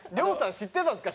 知ってたんですか？